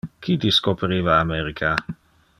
Qui discoperiva America?